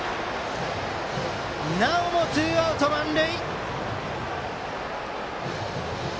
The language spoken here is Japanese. なおもツーアウト満塁。